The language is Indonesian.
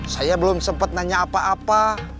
saya belum sempat nanya apa apa